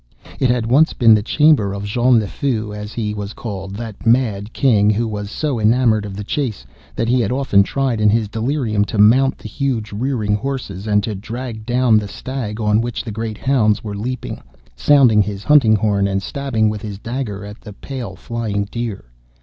It had once been the chamber of Jean le Fou, as he was called, that mad King who was so enamoured of the chase, that he had often tried in his delirium to mount the huge rearing horses, and to drag down the stag on which the great hounds were leaping, sounding his hunting horn, and stabbing with his dagger at the pale flying deer.